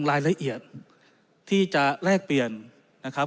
ผมจะต้องลายละเอียดที่จะแลกเปลี่ยนนะครับ